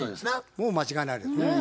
もう間違いないですね。